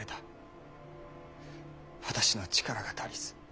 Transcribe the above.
私の力が足りず。